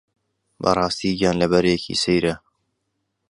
بەڕاستی گیانلەبەرێکی سەیرە